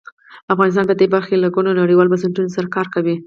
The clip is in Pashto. افغانستان په دې برخه کې له ګڼو نړیوالو بنسټونو سره کار کوي.